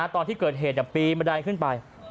ตอนที่เกิดเหตุปีบันไดขึ้นไป